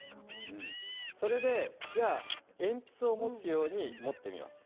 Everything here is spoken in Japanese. それで、じゃあ鉛筆を持つように持ってみます。